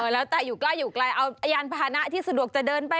แล้วแต่อยู่ใกล้อยู่ไกลเอายานพานะที่สะดวกจะเดินไป